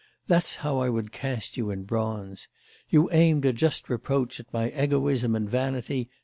That's how I would cast you in bronze. You aimed a just reproach at my egoism and vanity!